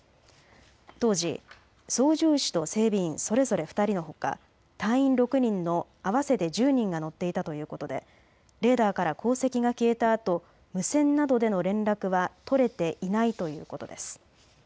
当時、操縦士と整備員、それぞれ２人のほか隊員６人の合わせて１０人が乗っていたということでレーダーから航跡が消えたあと無線などでの連絡は取れていないということです。